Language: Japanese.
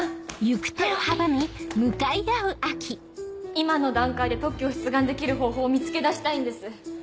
今の段階で特許を出願できる方法を見つけ出したいんです。